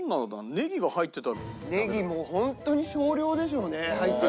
ネギも本当に少量でしょうね入ってても。